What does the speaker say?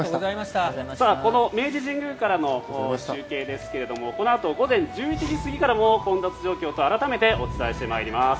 この明治神宮からの中継ですけれどもこのあと午前１１時過ぎからも混雑状況を改めてお伝えしてまいります。